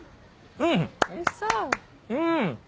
うん！